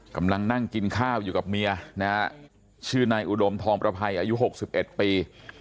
กำลังนั่งกินข้าวอยู่กับเมียนะฮะชื่อนายอุดมทองประภัยอายุ๖๑ปี